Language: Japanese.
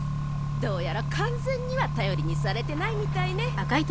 どうやら完全には頼りにされてないみたいね。